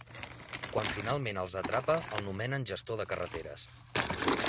Quan finalment els atrapa, el nomenen gestor de carreteres.